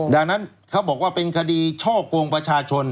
ดังนั้นเขาบอกว่าเป็นคดีช่อกงประชาชน